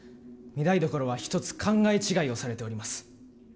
御台所は一つ考え違いをされております。